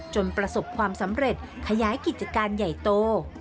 ประสบความสำเร็จขยายกิจการใหญ่โต